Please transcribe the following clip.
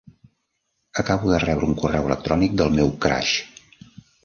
Acabo de rebre un correu electrònic del meu "crush"!